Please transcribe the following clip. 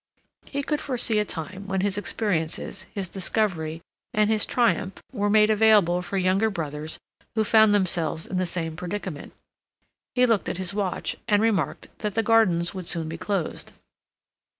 He could foresee a time when his experiences, his discovery, and his triumph were made available for younger brothers who found themselves in the same predicament. He looked at his watch, and remarked that the gardens would soon be closed.